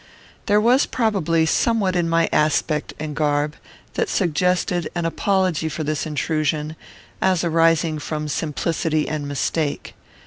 There was, probably, somewhat in my aspect and garb that suggested an apology for this intrusion, as arising from simplicity and mistake.